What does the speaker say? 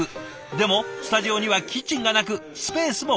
でもスタジオにはキッチンがなくスペースも限られる。